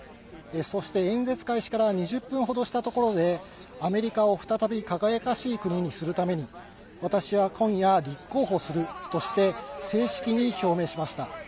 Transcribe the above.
そして演説開始から２０分ほどしたところでアメリカを再び輝かしい国にするために、私は今夜、立候補するとして正式に表明しました。